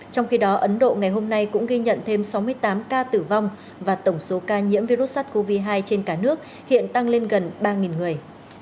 trong khi đó ấn độ ngày hôm nay cũng ghi nhận thêm sáu mươi tám ca tử vong và tổng số ca nhiễm virus sars cov hai trên cả nước hiện tăng lên gần ba người